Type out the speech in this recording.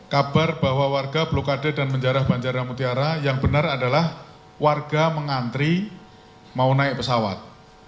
kabar bahwa warga blokade dan menjarah banjar mutiara yang benar adalah warga mengantri mau naik pesawat